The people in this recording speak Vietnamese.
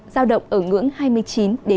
giao động ở ngưỡng hai mươi chín ba mươi hai độ